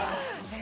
え？